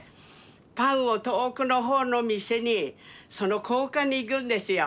パンを遠くの方の店にその交換に行くんですよ。